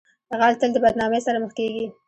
غل تل د بدنامۍ سره مخ کیږي